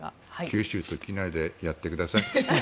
九州と畿内でやってください。